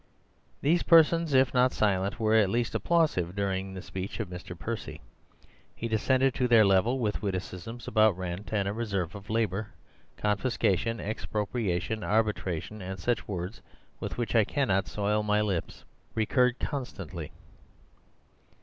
"These persons, if not silent, were at least applausive during the speech of Mr. Percy. He descended to their level with witticisms about rent and a reserve of labour. Confiscation, expropriation, arbitration, and such words with which I cannot soil my lips, recurred constantly.